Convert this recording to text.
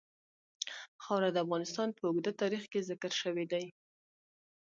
خاوره د افغانستان په اوږده تاریخ کې ذکر شوی دی.